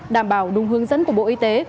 đảm bảo đúng hướng dẫn của bộ y tế